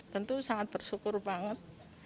tentu sangat bersyukur banget